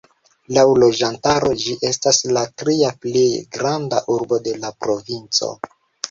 Laŭ loĝantaro ĝi estas la tria plej granda urbo de la provinco.